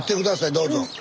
どうぞ。